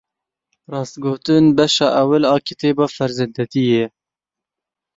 Rastgotin, beşa ewil a kitêba ferzendetiyê ye.